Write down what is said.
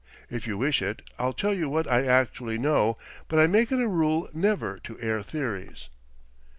If you wish it, I'll tell you what I actually know; but I make it a rule never to air theories."